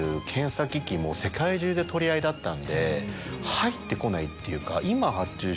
だったんで入ってこないっていうか。